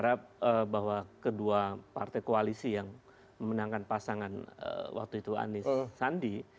saya berharap bahwa kedua partai koalisi yang memenangkan pasangan waktu itu anies sandi